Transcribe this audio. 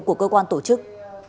của cơ quan tổ chức